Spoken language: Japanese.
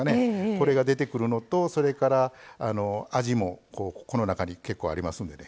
これが出てくるのとそれから味もこの中に結構ありますんでね